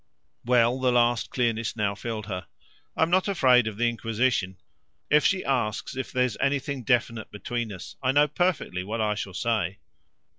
Well, the last clearness now filled her. "I'm not afraid of the inquisition. If she asks if there's anything definite between us I know perfectly what I shall say."